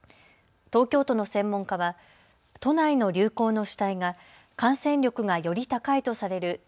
東京都の専門家は都内の流行の主体が感染力がより高いとされるＢＡ．